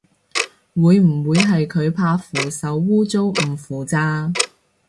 會唔會係佢怕扶手污糟唔扶咋